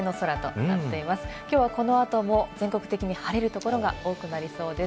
今日はこの後も全国的に晴れる所が多くなりそうです。